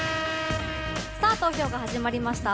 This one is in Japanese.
投票が始まりました。